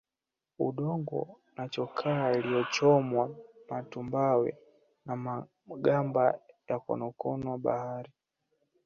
Udongo na chokaa iliyochomwa matumbawe na magamba ya konokono wa bahari